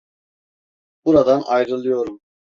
Buradan ayrılıyorum.